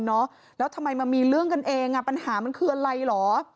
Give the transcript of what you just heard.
แล้วทำไมมันมีเรื่องกันเองอ่ะปัญหามันคืออะไรเหรอ